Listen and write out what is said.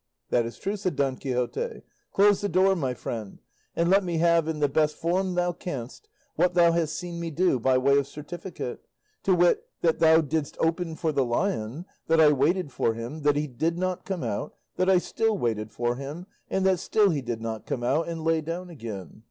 "That is true," said Don Quixote; "close the door, my friend, and let me have, in the best form thou canst, what thou hast seen me do, by way of certificate; to wit, that thou didst open for the lion, that I waited for him, that he did not come out, that I still waited for him, and that still he did not come out, and lay down again.